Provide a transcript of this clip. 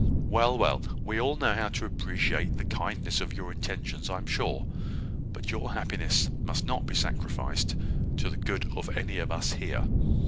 "Well, well. We all know how to appreciate the kindness of your intentions, I am sure: but your happiness must not be sacrificed to the good of any of us here.